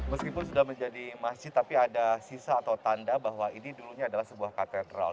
meskipun sudah menjadi masjid tapi ada sisa atau tanda bahwa ini dulunya adalah sebuah katedral